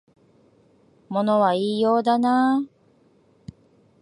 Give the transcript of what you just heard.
物は言いようだなあ